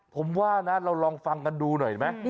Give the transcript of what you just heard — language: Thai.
ผมว่านะเราลองฟังกันดูหน่อยไหม